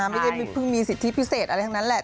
เพิ่งมีสิทธิพิเศษอะไรทั้งนั้นแหละ